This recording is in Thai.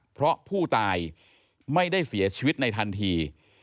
เพราะผู้ตายไม่ได้เสียชีวิตในทันที